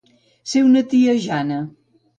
Ser una tia Jana.